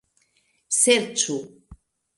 serĉu